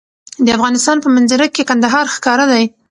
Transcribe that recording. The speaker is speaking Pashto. د افغانستان په منظره کې کندهار ښکاره دی.